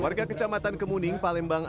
warga kecamatan kemuning palembang